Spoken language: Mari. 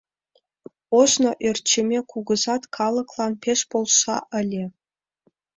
Ожно Ӧрчӧмӧ кугызат калыклан пеш полша ыле.